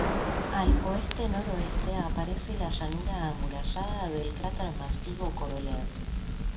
Al oeste-noroeste aparece la llanura amurallada del cráter masivo Korolev.